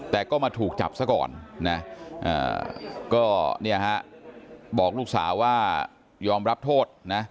แต่ก็มาถูกจับซะก่อนก็บอกลูกสาวว่ายอมรับโทษ